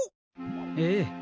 ええ。